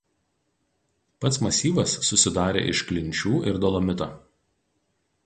Pats masyvas susidarė iš klinčių ir dolomito.